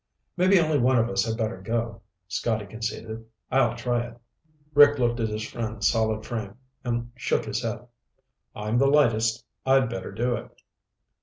"Maybe only one of us had better go," Scotty conceded. "I'll try it." Rick looked at his friend's solid frame and shook his head. "I'm the lightest. I'd better do it."